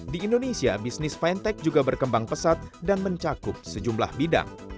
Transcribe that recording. di indonesia bisnis fintech juga berkembang pesat dan mencakup sejumlah bidang